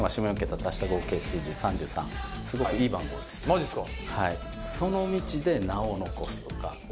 マジっすか。